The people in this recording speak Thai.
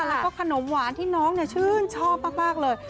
แล้วก็ขนมหวานที่น้องชื่นชอบมากเลย